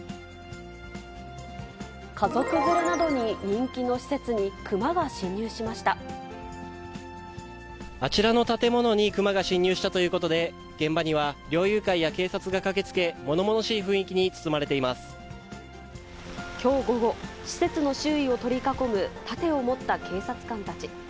家族連れなどに人気の施設にあちらの建物にクマが侵入したということで、現場には猟友会や警察が駆けつけ、ものものしい雰囲気に包まれていきょう午後、施設の周囲を取り囲む盾を持った警察官たち。